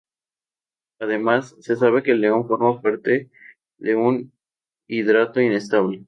Además, se sabe que el neón forma un hidrato inestable.